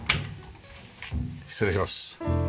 失礼します。